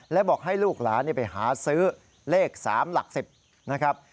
และบอกให้ลูกหลานไปหาซื้อเลข๓หลัก๑๐นะครับ